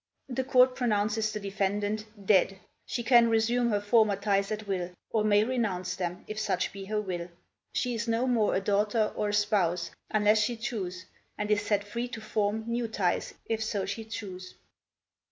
The Court pronounces the defendant dead! She can resume her former ties at will, Or may renounce them, if such be her will. She is no more a daughter, or a spouse, Unless she choose, and is set free to form New ties, if so she choose."